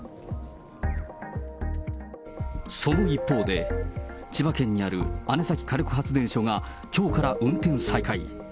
その一方で、千葉県にある姉崎火力発電所がきょうから運転再開。